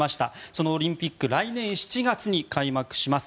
そのオリンピック来年７月に開幕します。